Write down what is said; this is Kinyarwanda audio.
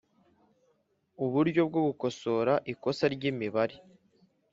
Uburyo bwo gukosora ikosa ry imibare